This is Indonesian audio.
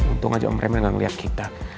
untung aja om remnya gak ngeliat kita